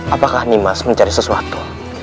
apakah nimas mencari sesuatu